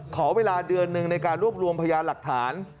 ขอเวลาเดือนหนึ่งในการรวบรวมพยานหลักฐาน